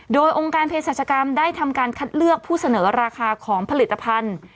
โดยองค์การเพศรัชกรรมได้ทำการคัดเลือกผู้เสนอราคาของผลิตภัณฑ์